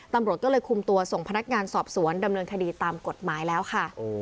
ตำรวจก็เลยคุมตัวส่งพนักงานสอบสวนดำเนินคดีตามกฎหมายแล้วค่ะ